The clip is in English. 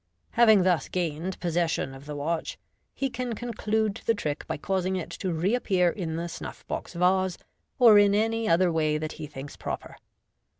Having thus gained possession of the watch, he car conclude the trick b> Fig. 104. causing it to re ap pear in the snuff box vase, or in any other way that he thinks proper.